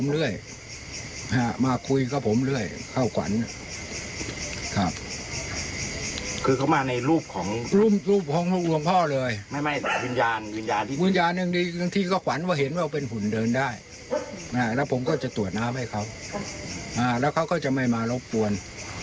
แล้วผมก็จะตรวจน้ำให้เขาแล้วเขาก็จะไม่มารบปวน